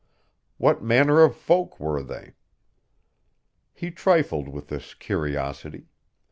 What manner of folk were they? He trifled with this curiosity.